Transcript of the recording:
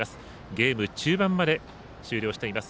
ゲーム中盤まで終了しています。